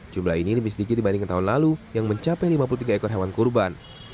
jumlah ini lebih sedikit dibandingkan tahun lalu yang mencapai lima puluh tiga ekor hewan kurban